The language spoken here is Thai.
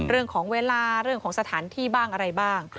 เรื่องของเวลาเรื่องของสถานที่บ้างอะไรบ้าง